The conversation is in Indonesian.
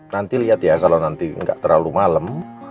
nanti liat ya kalo nanti nggak terlalu malem